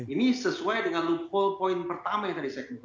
ini sesuai dengan loople point pertama yang tadi saya sebutkan